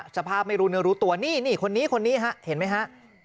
สภาพไม่รู้เนื้อรู้ตัวนี่นี่คนนี้คนนี้ฮะเห็นไหมฮะ